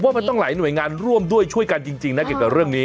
ว่ามันต้องหลายหน่วยงานร่วมด้วยช่วยกันจริงนะเกี่ยวกับเรื่องนี้